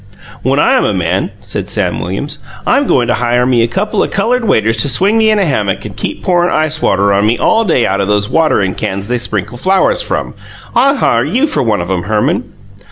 "When I'm a man," said Sam Williams, "I'm goin' to hire me a couple of coloured waiters to swing me in a hammock and keep pourin' ice water on me all day out o' those waterin' cans they sprinkle flowers from. I'll hire you for one of 'em, Herman."